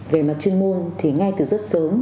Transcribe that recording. về mặt chuyên môn thì ngay từ rất sớm